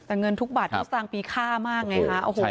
แต่เงินทุกบาทก็สร้างปีค่ามากไงคะ